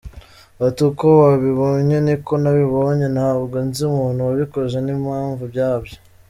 Ati “Uko wabibonye niko nabibonye, ntabwo nzi umuntu wabikoze n’impamvu yabyo.